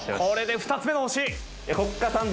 これで２つ目の星。